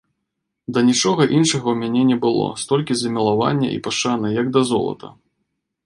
Да нічога іншага ў мяне не было столькі замілавання і пашаны, як да золата.